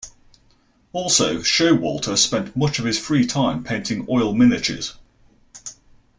Also, Showalter spent much of his free time painting oil miniatures.